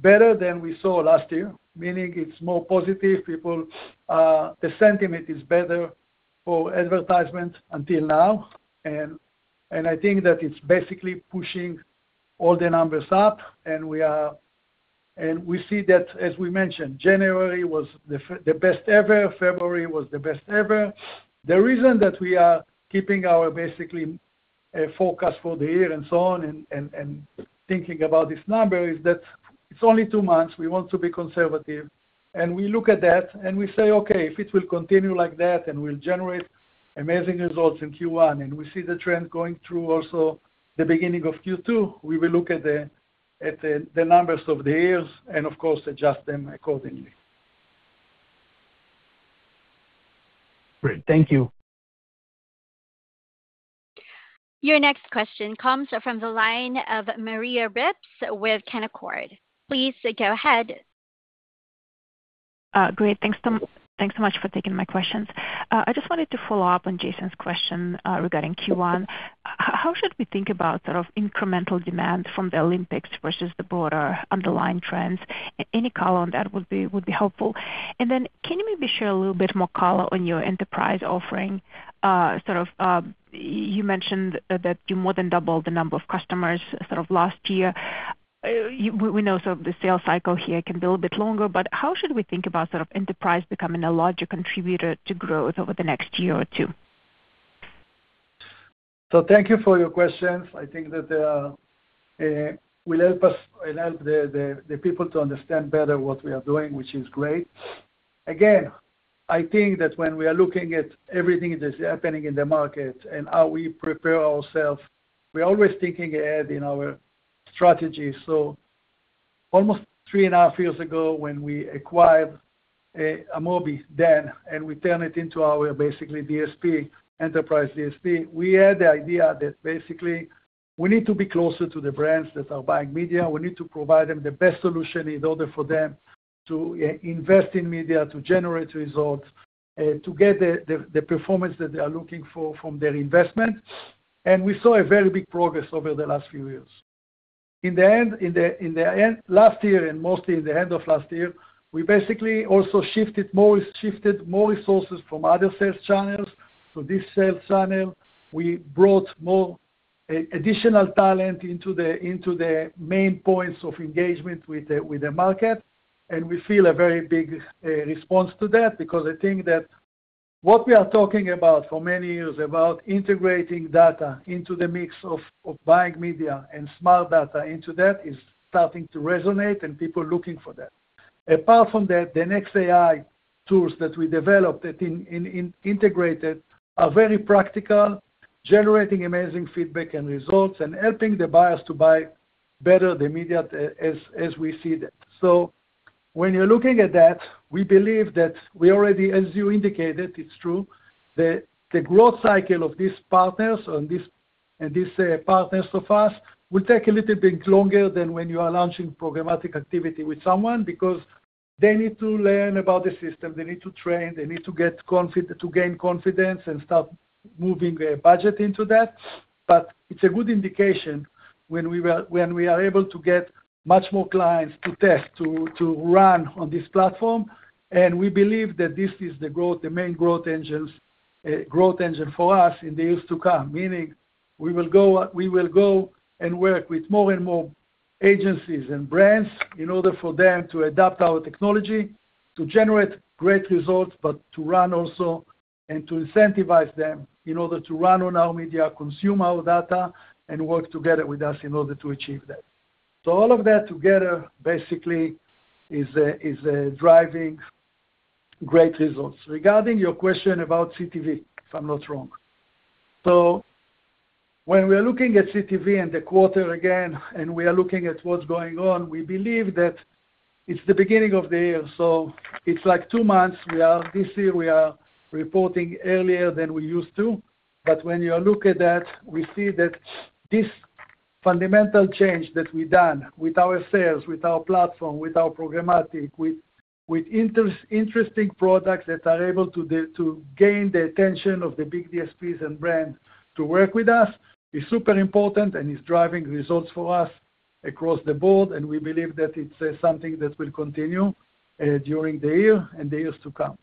better than we saw last year, meaning it's more positive. People, the sentiment is better for advertisement until now. I think that it's basically pushing all the numbers up, and we see that, as we mentioned, January was the best ever, February was the best ever. The reason that we are keeping our basically, forecast for the year and so on and thinking about this number is that it's only two months, we want to be conservative. We look at that and we say, okay, if it will continue like that then we'll generate amazing results in Q1. We see the trend going through also the beginning of Q2. We will look at the numbers of the years and of course adjust them accordingly. Great. Thank you. Your next question comes from the line of Maria Ripps with Canaccord. Please go ahead. Great. Thanks so much for taking my questions. I just wanted to follow up on Jason's question regarding Q1. How should we think about sort of incremental demand from the Olympics versus the broader underlying trends? Any color on that would be helpful. Can you maybe share a little bit more color on your enterprise offering? sort of, you mentioned that you more than doubled the number of customers sort of last year. we know sort of the sales cycle here can be a little bit longer, How should we think about sort of enterprise becoming a larger contributor to growth over the next year or two? Thank you for your questions. I think that will help us and help the, the people to understand better what we are doing, which is great. Again, I think that when we are looking at everything that is happening in the market and how we prepare ourselves, we're always thinking ahead in our strategy. Almost 3.5 years ago when we acquired Amobee then, and we turn it into our basically DSP, enterprise DSP, we had the idea that basically we need to be closer to the brands that are buying media. We need to provide them the best solution in order for them to invest in media, to generate results, to get the, the performance that they are looking for from their investment. We saw a very big progress over the last few years. In the end, in the end. Last year and mostly in the end of last year, we basically also shifted more resources from other sales channels to this sales channel. We brought more additional talent into the main points of engagement with the market. We feel a very big response to that because I think that what we are talking about for many years, about integrating data into the mix of buying media and smart data into that is starting to resonate and people looking for that. Apart from that, the NexAI tools that we developed that integrated are very practical, generating amazing feedback and results and helping the buyers to buy better the media as we see that. When you're looking at that, we believe that we already, as you indicated, it's true, the growth cycle of these partners and these and these partners of us will take a little bit longer than when you are launching programmatic activity with someone because they need to learn about the system, they need to train, they need to gain confidence and start moving budget into that. It's a good indication when we are able to get much more clients to test, to run on this platform. We believe that this is the growth, the main growth engines, growth engine for us in the years to come. Meaning we will go and work with more and more agencies and brands in order for them to adopt our technology, to generate great results, but to run also and to incentivize them in order to run on our media, consume our data, and work together with us in order to achieve that. All of that together basically is driving great results. Regarding your question about CTV, if I'm not wrong. When we are looking at CTV and the quarter again, and we are looking at what's going on, we believe that it's the beginning of the year. It's like two months this year we are reporting earlier than we used to. When you look at that, we see that this fundamental change that we've done with our sales, with our platform, with our programmatic, with interesting products that are able to gain the attention of the big DSPs and brands to work with us is super important and is driving results for us across the board, and we believe that it's something that will continue during the year and the years to come.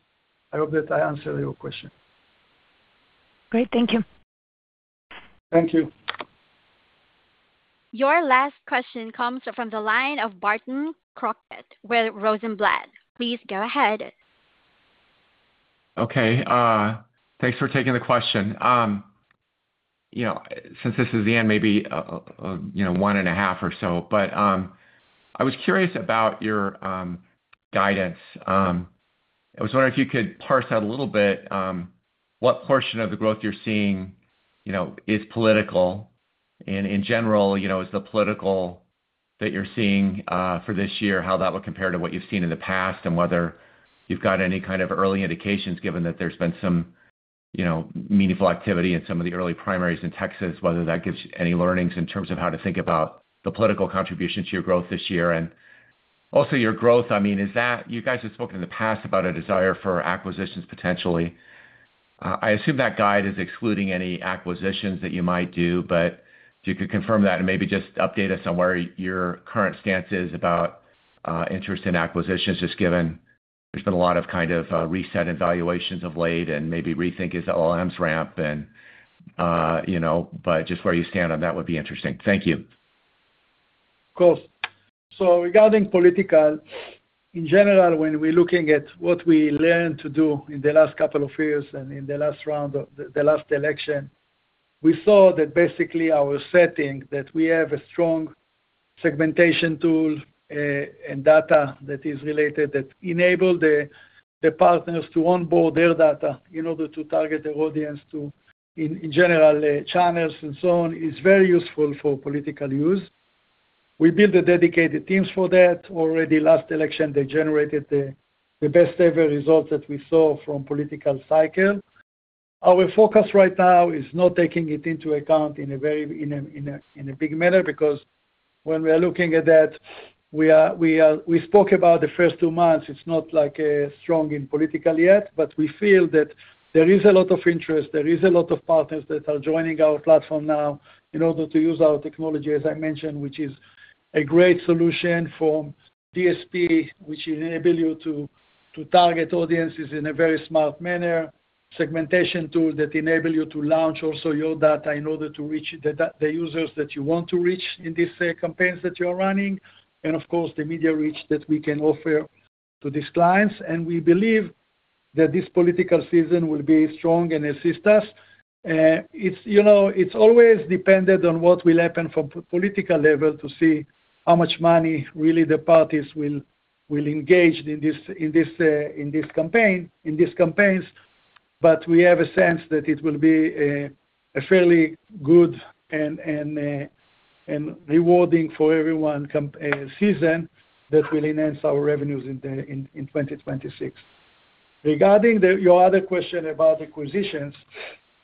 I hope that I answered your question. Great. Thank you. Thank you. Your last question comes from the line of Barton Crockett with Rosenblatt. Please go ahead. Okay. thanks for taking the question. you know, since this is the end, maybe, you know, one and a half or so, I was curious about your guidance. I was wondering if you could parse out a little bit, what portion of the growth you're seeing, you know, is political and in general, you know, is the political that you're seeing for this year, how that would compare to what you've seen in the past, and whether you've got any kind of early indications, given that there's been some, you know, meaningful activity in some of the early primaries in Texas, whether that gives any learnings in terms of how to think about the political contribution to your growth this year. Also your growth, I mean, is that you guys have spoken in the past about a desire for acquisitions potentially. I assume that guide is excluding any acquisitions that you might do, but if you could confirm that and maybe just update us on where your current stance is about interest in acquisitions, just given there's been a lot of kind of reset evaluations of late and maybe rethink is OLM's ramp and, you know, but just where you stand on that would be interesting. Thank you. Of course. Regarding political, in general, when we're looking at what we learned to do in the last couple of years and in the last round of the last election, we saw that basically our setting that we have a strong segmentation tool and data that is related that enable the partners to onboard their data in order to target the audience to, in general, channels and so on, is very useful for political use. We build the dedicated teams for that. Already last election, they generated the best ever results that we saw from political cycle. Our focus right now is not taking it into account in a very, in a, in a, in a big manner because when we are looking at that, we spoke about the first two months. It's not like, strong in political yet, but we feel that there is a lot of interest, there is a lot of partners that are joining our platform now in order to use our technology, as I mentioned, which is a great solution for DSP, which enable you to target audiences in a very smart manner, segmentation tool that enable you to launch also your data in order to reach the users that you want to reach in these campaigns that you are running, and of course, the media reach that we can offer to these clients. We believe that this political season will be strong and assist us. It's, you know, it's always dependent on what will happen from political level to see how much money really the parties will engage in these campaigns. We have a sense that it will be a fairly good and rewarding for everyone season that will enhance our revenues in 2026. Regarding your other question about acquisitions,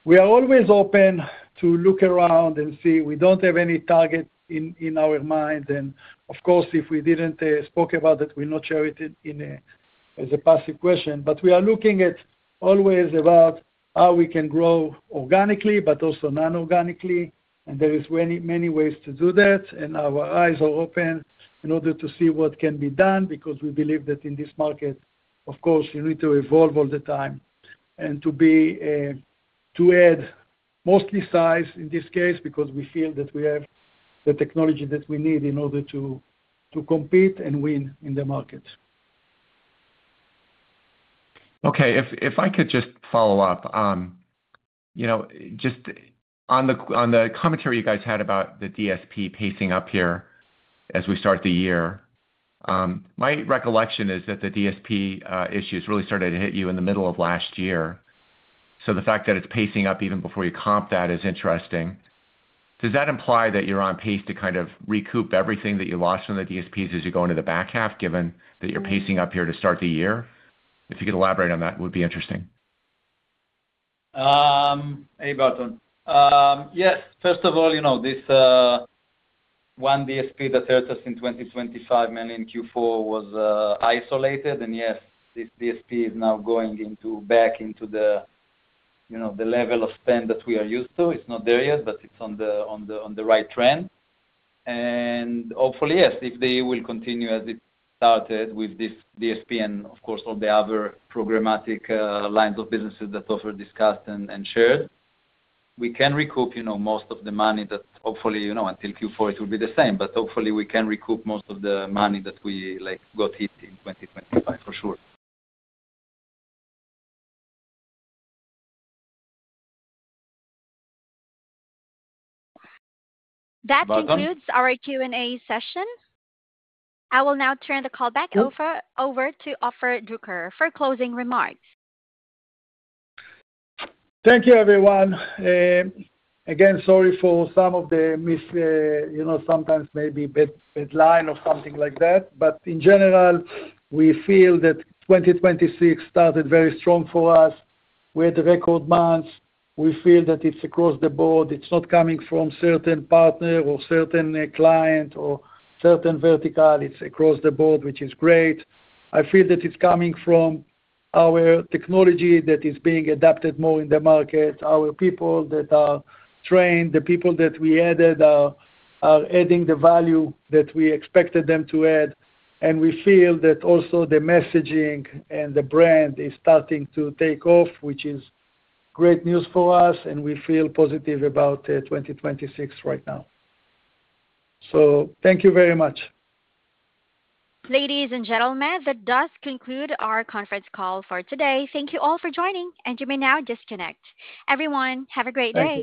we are always open to look around and see. We don't have any targets in our mind. Of course, if we didn't spoke about it, we'll not share it as a passive question. We are looking at always about how we can grow organically but also non-organically. There is many ways to do that. Our eyes are open in order to see what can be done because we believe that in this market, of course, you need to evolve all the time and to be, to add mostly size in this case because we feel that we have the technology that we need in order to compete and win in the market. Okay. If I could just follow up, you know, just on the commentary you guys had about the DSP pacing up here as we start the year. My recollection is that the DSP issues really started to hit you in the middle of last year. The fact that it's pacing up even before you comp that is interesting. Does that imply that you're on pace to kind of recoup everything that you lost on the DSPs as you go into the back half, given that you're pacing up here to start the year? If you could elaborate on that, it would be interesting. Hey, Barton. Yes. First of all, this one DSP that hurt us in 2025, mainly in Q4, was isolated. Yes, this DSP is now going into, back into the level of spend that we are used to. It's not there yet, but it's on the right trend. Hopefully, yes, if they will continue as it started with this DSP and of course, all the other programmatic lines of businesses that Ofer discussed and shared, we can recoup most of the money that hopefully, until Q4, it will be the same. Hopefully, we can recoup most of the money that we got hit in 2025, for sure. Barton- That concludes our Q&A session. I will now turn the call back over to Ofer Druker for closing remarks. Thank you, everyone. Again, sorry for some of the miss, you know, sometimes maybe bad deadline or something like that. In general, we feel that 2026 started very strong for us. We had record months. We feel that it's across the board. It's not coming from certain partner or certain client or certain vertical. It's across the board, which is great. I feel that it's coming from our technology that is being adapted more in the market, our people that are trained, the people that we added are adding the value that we expected them to add. We feel that also the messaging and the brand is starting to take off, which is great news for us, and we feel positive about 2026 right now. Thank you very much. Ladies and gentlemen, that does conclude our conference call for today. Thank you all for joining, and you may now disconnect. Everyone, have a great day.